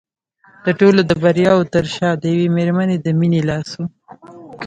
د ټولو د بریاوو تر شا د یوې مېرمنې د مینې لاس و